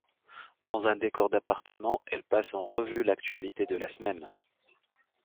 Dans un décor d'appartement, elles passent en revue l'actualité de la semaine.